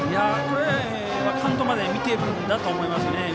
これはカウントまで見ているんだと思いますね。